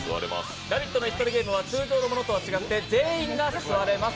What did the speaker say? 「ラヴィット！」の「椅子取りゲーム」は通常のものとは違って全員が座れます。